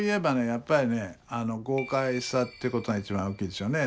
やっぱりね豪快さってことが一番大きいですよね。